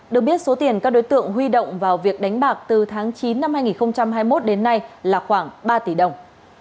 được biết số tiền các đối tượng huy động vào việc đánh bạc từ tháng chín năm hai nghìn hai mươi một đến nay là khoảng ba tỷ đồng